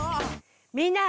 みんな！